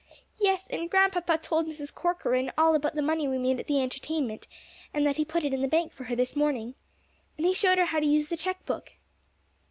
"Yes, and Grandpapa told Mrs. Corcoran all about the money we made at the entertainment, and that he put it in the bank for her this morning. And he showed her how to use the check book."